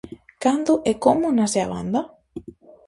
Cando e como nace a banda?